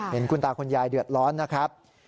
เห็นคุณตาคุณยายเดือดร้อนนะครับ